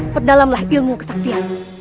perdalamlah ilmu kesaktianmu